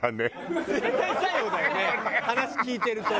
話聞いてると。